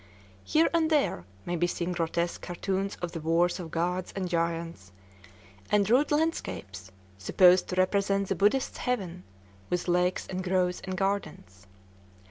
Here and there may be seen grotesque cartoons of the wars of gods and giants, and rude landscapes supposed to represent the Buddhist's heaven, with lakes and groves and gardens.